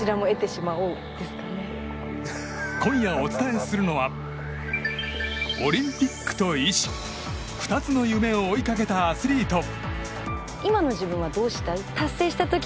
今夜、お伝えするのはオリンピックと医師２つの夢を追いかけたアスリート。